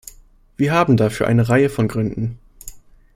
Wir haben dafür eine Reihe von Gründen.